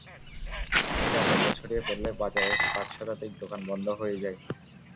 এতে আতঙ্ক ছড়িয়ে পড়লে বাজারের পাঁচ শতাধিক দোকান বন্ধ হয়ে যায়।